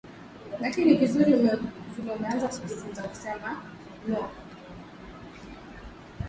Alieleza namna Taasisi hiyo ilivyoamua kufanya Kongamano hilo